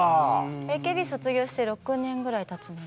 ＡＫＢ卒業して６年ぐらいたつので。